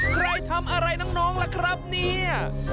ใครทำอะไรน้องล่ะครับเนี่ย